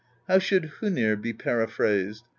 "How should Hoenir be periphrased?